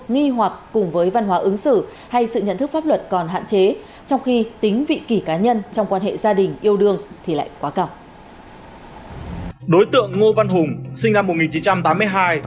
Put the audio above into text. nghi hoặc cùng với văn hóa ứng xử hay sự nhận thức pháp luật còn hạn chế